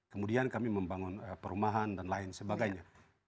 kemudian kami membangun perumahan dan lain sebagainya